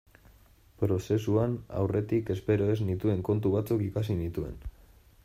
Prozesuan aurretik espero ez nituen kontu batzuk ikasi nituen.